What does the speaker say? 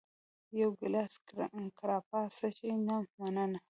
یو ګېلاس ګراپا څښې؟ نه، مننه.